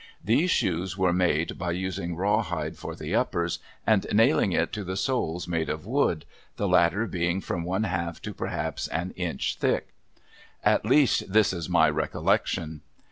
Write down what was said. These shoes were made by using rawhide for the uppers and nailing it to the soles made of wood, the latter being from one half to perhaps an inch thick; at least this is my recollection.